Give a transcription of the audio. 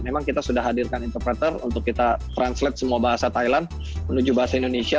memang kita sudah hadirkan interpreter untuk kita translate semua bahasa thailand menuju bahasa indonesia